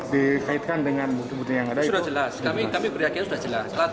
dikaitkan dengan bukti bukti yang ada itu jelas kami kami beriakin sudah jelas alat